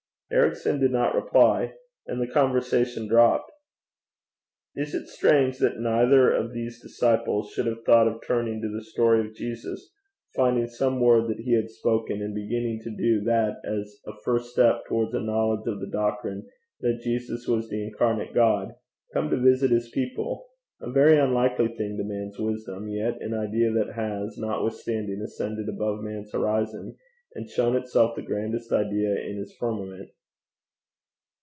Ericson did not reply, and the conversation dropped. Is it strange that neither of these disciples should have thought of turning to the story of Jesus, finding some word that he had spoken, and beginning to do that as a first step towards a knowledge of the doctrine that Jesus was the incarnate God, come to visit his people a very unlikely thing to man's wisdom, yet an idea that has notwithstanding ascended above man's horizon, and shown itself the grandest idea in his firmament?